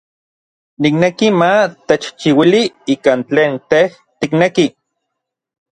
Nikneki ma techchiuili ikan tlen tej tikneki.